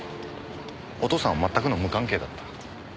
お父さんは全くの無関係だった。